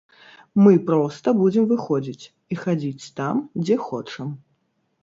Мы проста будзем выходзіць, і хадзіць там, дзе хочам.